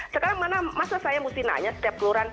sekarang mana masa saya mesti nanya setiap kelurahan